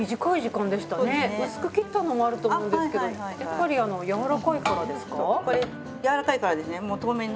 薄く切ったのもあると思うんですけどやっぱりやわらかいからですか？